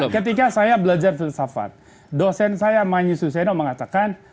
ketika saya belajar filsafat dosen saya manjususeno mengatakan